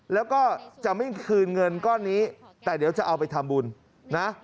แล้วก็จะไม่คืนเงินก้อนนี้แต่เดี๋ยวจะเอาไปทำบุญนะ